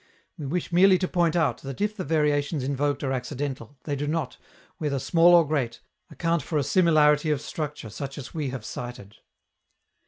We wish merely to point out that if the variations invoked are accidental, they do not, whether small or great, account for a similarity of structure such as we have cited.